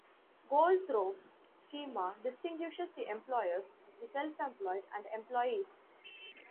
Goldthorpe schema distinguishes the employers, the self-employed, and employees.